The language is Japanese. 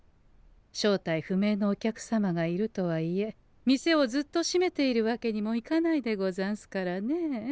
正体不明のお客様がいるとはいえ店をずっと閉めているわけにもいかないでござんすからね。